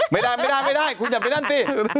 ไม่ได้ไม่ได้คุณอย่าไปนั่นสิ